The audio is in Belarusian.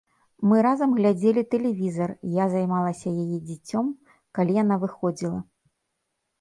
Мы разам глядзелі тэлевізар, я займалася яе дзіцем, калі яна выходзіла.